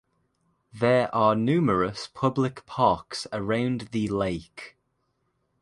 There are numerous public parks around the lake.